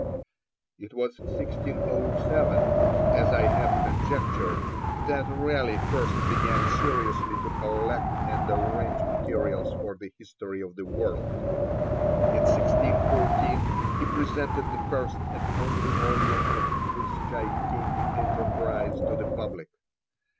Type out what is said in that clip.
It was in 1607, as I have conjectured, that Raleigh first began seriously to collect and arrange materials for the History of the World; in 1614 he presented the first and only volume of this gigantic enterprise to the public.